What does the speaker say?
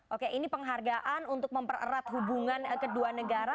oke ini penghargaan untuk mempererat hubungan kedua negara